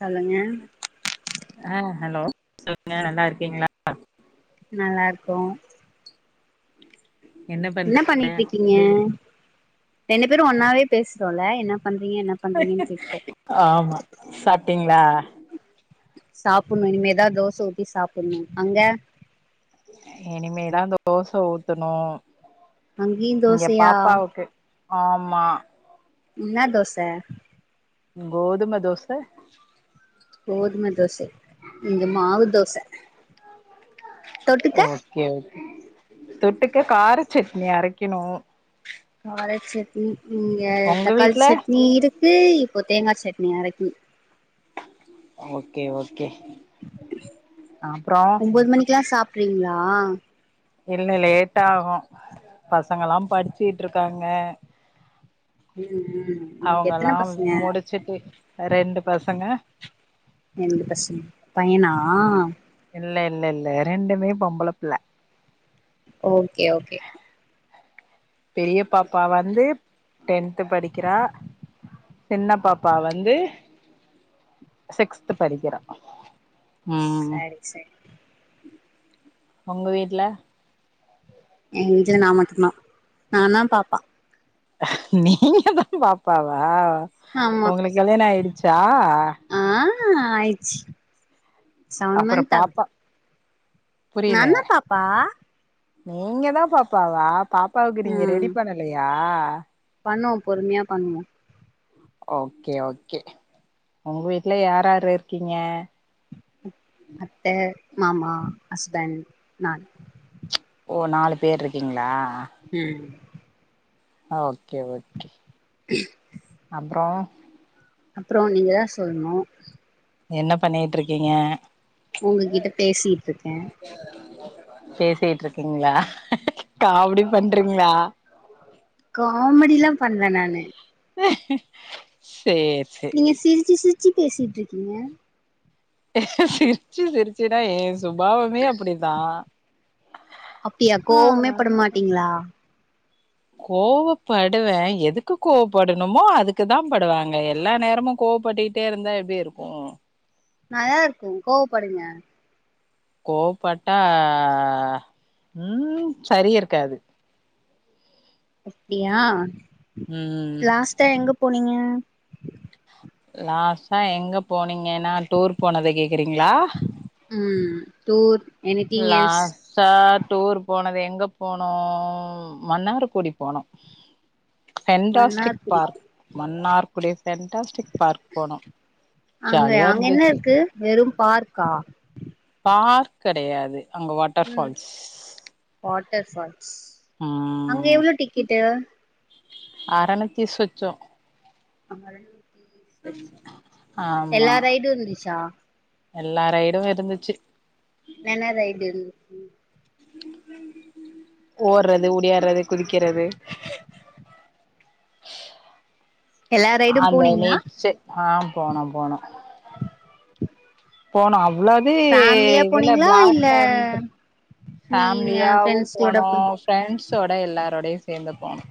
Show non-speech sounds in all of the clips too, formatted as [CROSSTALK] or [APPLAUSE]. சொல்லுங்க அ ஹலோ சொல்லுங்க நல்லா இருக்கீங்களா நல்லாருக்கோ என்ன பண்ணிட்டு இருக்கீங்க ரெண்டு பேரும் ஒன்னாவே பேசுறோல என்ன பண்றீங்க என்ன பண்றீங்கன்னு கேக்குறோம் ஆ சாப்ட்டீங்களா சாப்டணும் இனிமேதா தோச ஊத்தி சாப்டணு அங்க இனிமேதா தோச ஊத்தணும் அங்கேயும் இங்க தோசையா பாப்பாவுக்கு ஆமா என்ன தோச கோதும தோச கோதும தோச இங்க மாவு தோச தொட்டுக்க ஓகே ஓகே தொட்டுக்க கார சட்னி அரைக்கணு கார சட்னி இங்க உங்க தக்காளி வீட்ல சட்னி இருக்கு இப்போ தேங்கா சட்னி அரைக்கன்னு ஓகே ஓகே அப்றோ ஒன்பது மணிக்குல்லா சாப்டுவீங்களா இல்ல லேட்டா ஆகும் பசங்க எல்லா படிச்சிக்கிட்டு இருக்காங்க ம் ம் உங்களுக்கு அவங்கல்லா எத்தன பசங்க முடிச்சுட்டு ரெண்டு பசங்க ரெண்டு பசங்க பையனா ஆ இல்ல இல்ல இல்ல ரெண்டுமே பொம்பளப்புள்ள ஓகே ஓகே பெரிய பாப்பா வந்து டென்து படிக்கிறா சின்ன பாப்பா வந்து சிக்ஸ்த் படிக்கிறா சரி சரி ஒங்க வீட்ல எங்க வீட்ல நா மட்டு்ந்தா நாந்தா பாப்பா நீங்க தா பாப்பாவா ஆமா ஒங்களுக்கு கல்யாண ஆயிடுச்சா ஆ ஆய்ச்சு செவன் மந்த் ஆகுது புரில நாந்தா பாப்பா நீங்க தா பாப்பாவா பாப் பவுக்கு நீங்க ம் ரெடி பண்ணலயா பண்ணுவோ பொறுமையா பண்ணுவோ ஓகே ஓகே ஒங்க வீட்ல யார் யாரு இருக்கீங்க அத்த மாமா ஹஸ்பண்ட் நானு ஓ நாலு பேரு இருக்கீங்களா ம் ஆ ஓகே ஓகே [INAUDIBLE] அப்றோ அப்றோ நீங்கதா சொல்ணு என்ன பண்ணிட்டு இருக்கீங்க ஒங்ககிட்ட பேசிட்ருக்க பேசிட்ருக்கீங்களா காமெடி பண்றீங்களா காமெடில்லா பண்வ நானு சேரி சேரி நீங்க சிரிச்சி சிரிச்சி பேசிட்டுஇரு க்கீங்க சிரிச்சு சிரிச்சுனா ஏ சுபாவமே அப்டித்தா அப்டியா கோவமே படமாட்டீங்ளா கோவப்படுவே எதுக்கு கோவப்படணுமோ அதுக்கு தா படுவாங்க எல்லா நேரமு கோவப்பட்டுட்டு ட்டேருந்தா எப்டி இருக்கு நல்லாருக்கு கோவப்படுங்க கோப்பட்டா ம் சரி இருக்காது அப்டியா ம் லாஸ்ட்டா எங்க போனீங்க லாஸ்டா எங்க போனீங்கனா டூர் போனத கேக் க்றீங்ளா ம் டூர் எனித்திங் எல்ஸ் சா டூர் போனது எங்க போனோ மன்னார்குடி போனோ fantastic Mannargudi park Mannargudi fantastic park போனோ அங்க ஜாலியா அங்க என்ன இருந்துச்சு இருக்கு வெறு பார்க்கா பார்க் கெடையாது அங்க வா ம் வாட்டர் ஃபால்ஸ் அங்க ம் எவ்ளோ டிக்கெட்டு அறநூத்தி சொச்சோ ஆமா எல்லா ரைடு இருந்துச்சா எல்லா ரைடூ இருந்துச்சு என்ன ரைடு இருந்துச்சி ஓடறது உடையாடுறது குதிக்கிறது எல்லா ரைடும் அந்த போனீங்களா நெச்சு ஆ போன போனோ போனோ அவ்வளது ஃபேமிலியா இதுல போனீங்களா இல்ல பிளாட்டா இருந் நீங்க ஃபேமிலியாவு ஃப்ரெண்ட்ஸ்களோட போனோ போ ப்ரெண்ஸோட எல்லாரோடையு சேந்து போனோ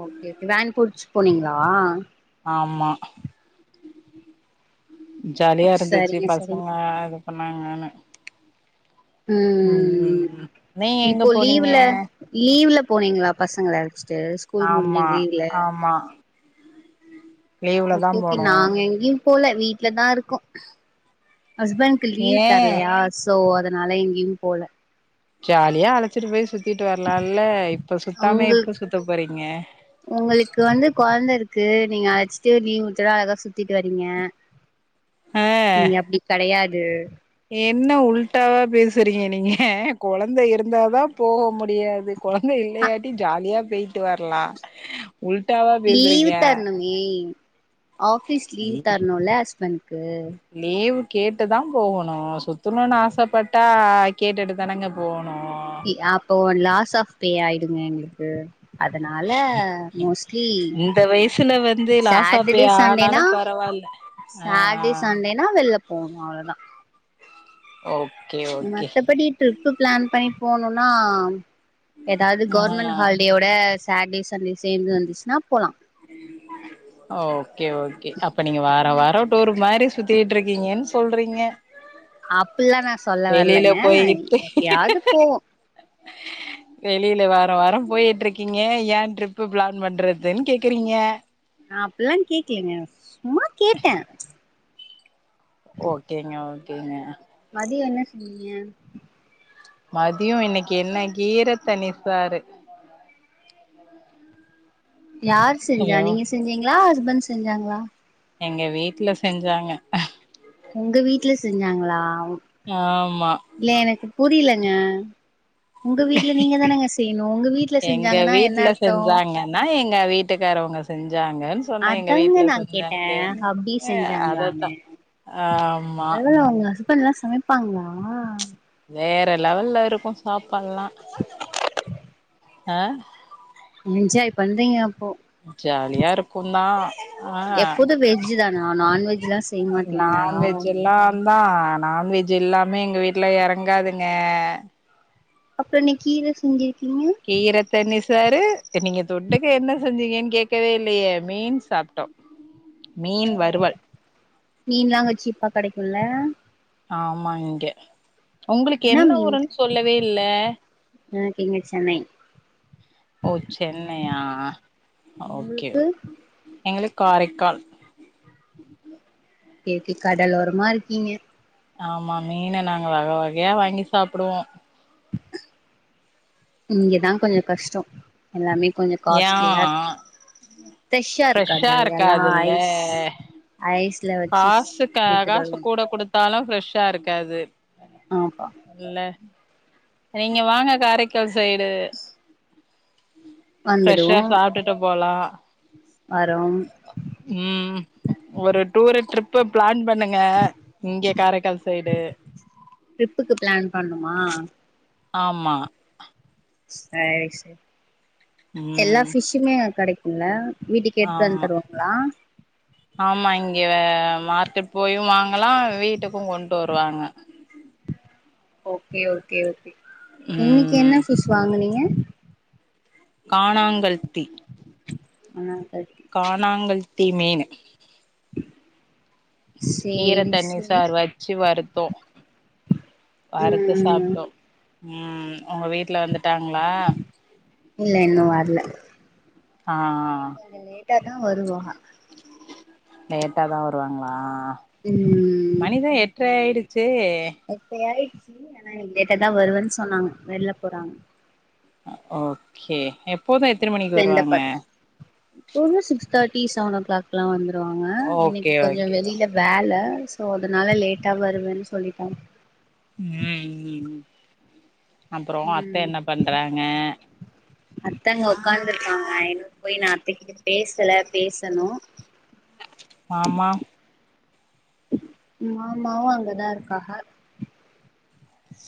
ஓகே ஓகே வேன் புடிச்சி போனீங்களா ஆமா ஜாலியா இருந்திச்சி சரிங்க சரிங்க பசங்க சொன்னாங்கானு ம் ம் நீங்க எங்க இப்போ போனீங்க லீவ்ல லீவ்ல போனீங்ளா பசங்கள அழச்சிட்டு ஸ்கூல் முடிஞ்சி ஆமா லீவ்ல ஆமா லீவ்ல தா போனோ ஓகக்குநாங்கங்க [UNINTELLIGIBLE] போல வீட்ல தா இருக்கோ அஸ்பண்கு லீவ் ஏ தரலயா சோ அதனால எங்கியு போல ஜாலியா அழைச்சிட்டு போய் சுத்திட்டு வரலாம்ல இப்ப சுத்தாம உங்க எப்ப சுத்த போறீங்க உங்களுக்கு வந்து கொழந்த இருக்கு நீங்க அழைச்சிட்டு லீவு விட்டது அழகா சுத்திட்டு வரீங்க ஆ நீங்க அப்டி கெடையாது என்ன உள்ட்டாவா பேசறீங்க நீங்க கொழந்த இருந்தா தா போக முடியாது கொழந்த இல்லயாட்டி ஜாலியா போய்டு வரலா உள்டாவா லீவ் தரணுமே ஆபீஸ் லீவு தரணும்ல அஸ்பண்ட்கு லீவு கேட்டு தா போகணு சுத்தணும்னு ஆசபட்டா கேட்டுட்டு தானேங்க போகணு அப்போ லாஸ் ஆப் பே ஆயிடுங்க எங்களுக்கு அதனால மோஸ்ட்லி இந்த வயசுல வந்து லாசாப்பே ஆனாலு ப பரவால்ல சாட்டே ஆ சண்டேனா வெளில போவோ அவ்ளதா ஓ மத்தபடி ட்ரிப்பு ப்ளான் பண்ணி போனுனா ஏதாது ஆ கவர்மெண்ட் ஹாலி டேயோட சேட்டே சண்டே சேந்து வந்திச்சினா போலா [INAUDIBLE] ஆ ஓக்கே ஓக்கே அப்ப நீங்க வார வாரோ டூர் மாரி சுத்திட்டுருக்கீங்கன் சொல்றீங்க [INAUDIBLE] அப்பிலா நா சொல்ல வெளியில வர்லங்க எப்பயாது போவோ வெளில வார வார போயிட்ருக்கீங்க ஏ டரிப்பு ப்ளான் பண்றதுன் கே க்கிறீங்க நா அப்பிலா கேக்கலிங்க சும்மா கேட்ட ஓக்கேங்க ஓக்கேங்க மதியோ என்ன செஞ்சிங்க மதியோ இன்னக்கி என்ன கீர பண்ணிருப்பாரு யார் செஞ்சா ஹலோ நீங்க செஞ்சீங்ளா ஹஸ்பண் செஞ்சாங்ளா எங்க வீட்ல செஞ்சாங்க உங்க வீட்ல செஞ்சாங்ளா மாமா இல்ல எனக்கு புரிலங்க உங்க வீட்ல நீங்க தானங்க செய்ணு உங்க வீட்ல செஞ்சாங்கனா என்ன அர்த்தோ நா எங்க வீட்டுகாரவங்க செஞ்சாங்கன் சொன்ன எங்க அதாங்க வீட்ல நா கேட்டே செஞ்சாங்கனு அப்டி அ அதத்தா செஞ்சாங்களான்னு ஆமா பண்லா சமைப்பாங்ளா வேற லெவல்ல இருக்கூ சாப்பால்லா [INAUDIBLE] அ என்ஜாய் பண்றீங்க அப்போ ஜாலியா இருக்குந்தா ஆ ஆ எப்போது வெஜ் தானா நான்வெஜ்லா செய்ய மாட்டீங்களா நான் வெஜ் எல்லா ம்பா நான்வெஜ் எல்லாமே எங்க வீட்டுல எறங்காதுங்க அப்ப இன்ன கீர செஞ்சி கீரத் தண்ணி சாறு த நீங்க தொட்டுக்க என்ன செஞ்சீங்கன் கேக்கவே இல்லயே மீன் சாப்ட்டோ மீன் வறுவல் மீன்லா அங்க சீப்பா கெடைக்குல்ல ஆமா இங்க உங்களுக்கு என்ன ஊருன் சொல்லவே இல்ல எனக்கு இங்க சென்னை ஓ சென்னயா ஓக்கே உங்களுக்கு எங்களுக் காரைக்கால் கேக்கு கடலோரமா இருக்கீங்க ஆமா மீன நாங்க வக வகையா வாங்கி சாப்டுவோ இங்கதா கொஞ்சொ கஷ்டோ எல்லாமே கொஞ்சொ ஏ காஸ்ட்லியா பெஷ்ஷா ஃப்ரெஷ்ஷா இருக்காது எல்லா இருக்காதுல்ல ஐஸ் ஐஸ்ல வச்சு ஸ் எத்துட்டு வருவாங் தாலு ஃப்ரெஷ்ஷா இருக்காது ஆப்பா இல்ல நீங்க வாங்க காரைக்கால் சைடு வந்துடுவோ ஃப்ரெஷ்ஷா சாப்பிட்டு போலா வரோம் ம் ஒரு டூரு ட்ரிப்பு பிளான் பண்ணுங்க இங்கே காரைக்கால் சைடு டிரிப்புக்கு பிளான் பண்ணணுமா ஆமா [UNINTELLIGIBLE] எல்லா ம் பிஷ்ஷுமே அங்க கெடைக்குல்ல வீட்டுக்கு எடுத்து வந்து ஆமா தருவாங்களா ஆமா இங்க மார்க்கெட் போயு வாங்களா வீட்டுக்கு கொண்டு வருவாங்க ஓகே ஓகே ஓகே இன்னிக்கி ம் என்ன பிஷ் வாங்குனீங்க காணாங்கல்தி [UNINTELLIGIBLE] காணாங்கல்தி மீனு கீர சேரி தண்ணி சேரி சார் வெச்சு வறுத்தோ வறுத்து ம் சாப்பிட்டோ ம் உங்க வீட்ல வந்துட்டாங்களா இல்ல இன்னு வர்ல ஆ கொஞ்ச லேட்டா வருவா லேட்டாதா வருவாங்களா ம் மணிதா எட்ர ஆயிடுச்சே எட்ர ஆயிடுச்சு ஆனா இனிமே தா வருவேன்னு சொன்னாங்க வெளில போறாங்க ஓகே எப்போது எத்தன மணிக்கு வருவாங்க எப்போது six thirty seven o'clock எல்லா வந்துருவாங்க ஓகே இன்னிக்கி கொஞ்சோ ஓகே வெளியில வேல சோ அதனால லேட்டா வருவேன்னு சொல்லிட்டாங்க ம் ம் அப்றோ அத்த ம் என்ன பண்றாங்க அத்த அங்க உக்காந்துருக்காங்க [UNINTELLIGIBLE] போயி அத்தக்கு பேசல பேசனு மாமா மாமாவு அங்கதா இருக்காங்க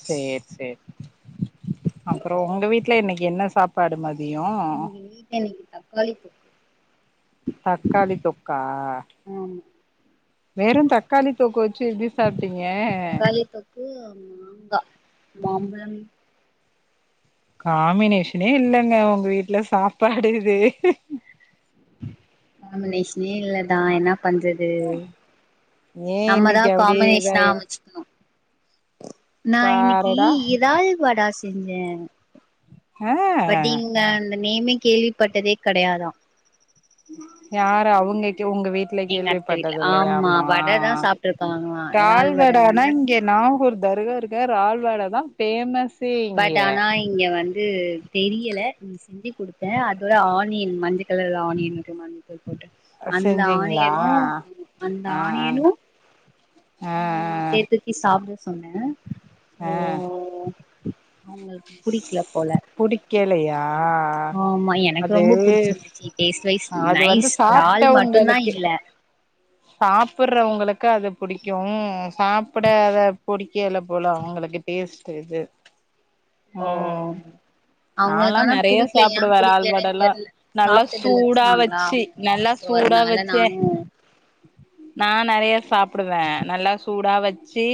சேர் சேர் அப்றோ உங்க வீட்ல இன்னிக்கி என்ன சாப் பாடு மதியோ இன்னிக்கி தக்காளி தொக்கு தக்காளி தொக்கா ஆம் வெறு தக்காளி தொக்க வெச்சு எப்டி சாப்ட்டீங்க அது மாங்கா மாம்பழம் காம்பினேஷனே இல்லங்க உங்க வீட்ல சாப்பாடு இது காம்பினேஷனே இல்லதா என்னா பண்ற து ஏ நம்மதா இன்னைக்கு அப்டியே காம்பினேஷனா இதாயிடுச்சு அமச் நா இன்னிக்கி பாருடா இறால் வடாஸ் செஞ்ச ஆ பட் இங்க அந்த நேமே கேள்விப்பட்டதே கெடையாதா யாரு அவுங்கங்க உங்க வீட் ல எங்க அத்த வீட்ல கேள்விப்பட்டது ஆமா இல்லயாமா வட தா சாப்ட்டுருக்காங்களா இறால் வட ரால்வடானா வந்து இங்க நாகூர் தருகா இருக்கே ரால்வட தா ஃபேமஸே பட் இங்கே ஆனா இங்க வந்து தெரியல செஞ்சு குடு த அதோட ஆனியன் மஞ்ச கலர் ஆனியன் இருக்க போட்ட அந்த செஞ்சீங்களா ஆனியனூ அந்த ஆ ஆ ஆனியனூ ஆ ம் சேத்தச்சி சாப்ட சொன்ன ஆ அவுங்களுக்கு புடிக்ல போல புடிக்கலையா ஆமா எனக்கு அது ரொம்ப புடிச்சிருந்துச்சி டேஸ்ட் வைஸ் அது வந்து நைஸ் ரால் மட்டுந்தா இல்ல சாப்புறவுங்களுக்கு அது புடிக்கூ சாப்டாத புடிக்கல போல அவுங்களுக்கு டேஸ்ட்டு இது அ ஓ அவங்களுக்கு நால்லா ஆனா நெறையா புடிக்கல ஏ சாப்டுவே புடிக்கலனே ரால்வடல்லா தெர்ல நல்லா சாப்ட்டது இல்லன்னு சூடா சொன்னாங்களா வச்சி நல்லா சோ சூடா அதனால வச்சே நானு நா நறையா சாப்டுவே நல்லா சூடா வச்சி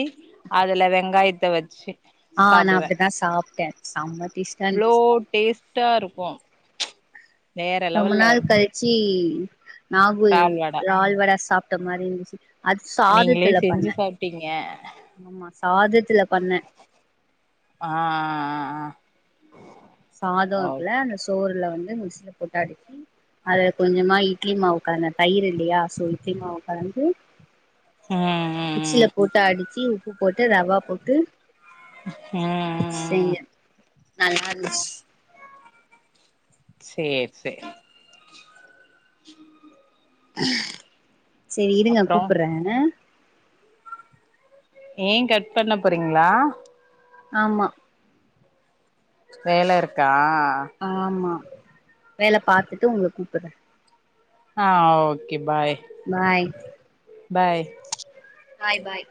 அதுல வெங்காயத்த வச்சி ஆ நா அப்டிதா சாப்ட்டே செம்ம டேஸ்டா இர்ஞ்ச்சி ஓ டேஸ்ட் டாருக்கூ ரொம்ப நாள் இருக்கு கழிச்சி நாகூர் இறால் வடா ரால் வடா சாப்ட்ட மாரி இருந்ச்சி அது நீங்களே சாதத்துல செஞ்சு பன்ன சாப்ட்டீங்க ஆமா சாதத்துல பன்ன ஆ ஆ சாதொ ஓ இருக்குல அந்த சோறுல வந்து மிக்சில போட்டடிச்சி அத கொஞ்சமா இட்லி மாவு கலந்த தயிரில்லயா சோ இட்லி மாவு கலந்து ஆ மிக்சில போட்டு அடிச்சி உப்பு போட்டு ரவா போட்டு செஞ்ச ம் நல்லாருந்துச் சேரி சேரி [INAUDIBLE] செரி இருங்க அப்றோ கூப்புறே ஏ கட் பண்ண போறீங்ளா ஆமா வேல இருக்கா ஆமா வேல பாத்துட்டு உங்கள கூப்புறே ஆ okay bye bye bye bye பாய்